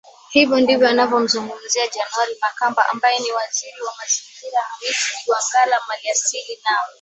Hivyo ndivyo anavyomzungumzia January Makamba ambaye ni Waziri wa Mazingira Hamisi Kigwangalla Maliasili na